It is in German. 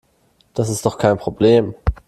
Das ist doch kein Problem.